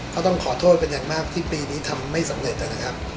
ก็ต้องขอโทษเป็นอย่างมากที่ปีนี้ทำไม่สำเร็จนะครับ